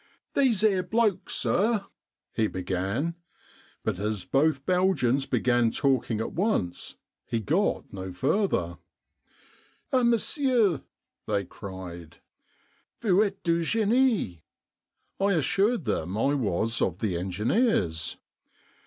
" These' ere blokes, sir .. ."he began; but as both Belgians began talking at once, he got no further. EBENEEZER THE GOAT 145 " Ah ! monsieur," they cried, " vous etes du genie?" I assured them I was of the engi neers.